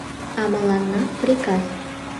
А мыланна — приказ!